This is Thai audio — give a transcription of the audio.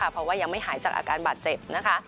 เพราะยังไม่หายจากอาการบาดเจ็บ